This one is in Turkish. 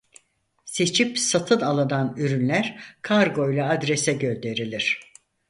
Seçip satın alınan ürünler kargoyla adrese gönderilir.